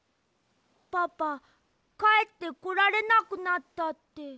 パパかえってこられなくなったって。